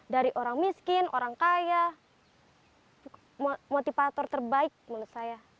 dari orang miskin orang kaya motivator terbaik menurut saya